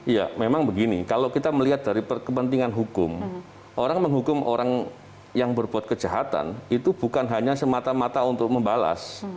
ya memang begini kalau kita melihat dari kepentingan hukum orang menghukum orang yang berbuat kejahatan itu bukan hanya semata mata untuk membalas